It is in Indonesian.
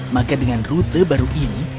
maka dengan rute baru ini